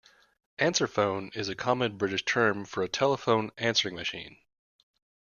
Answerphone is a common British term for a telephone answering machine